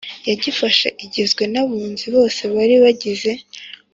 yagifashe igizwe n Abunzi bose bari bayigize